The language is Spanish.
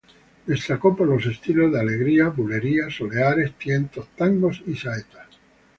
Destacó por los estilos de: alegrías, bulerías, soleares, tientos, tangos y saetas.